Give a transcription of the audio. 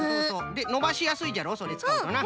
でのばしやすいじゃろそれつかうとな。